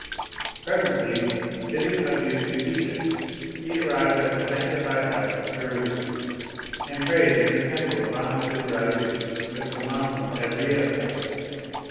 Pres ently, bidding adieu to Egypt he arrived at the Sanctified House, Jerusalem, and prayed in the temple of the Banu Isra'il which the Moslems had reedified.